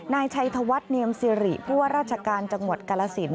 นายชัยธวัฒน์เนียมสิริผู้ว่าราชการจังหวัดกาลสิน